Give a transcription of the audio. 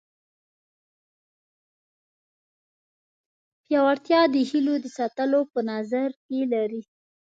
پیاوړتیا او د هیلو د ساتلو په نظر کې لري.